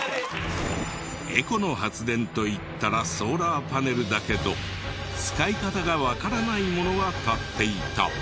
エコの発電といったらソーラーパネルだけど使い方がわからないものが立っていた。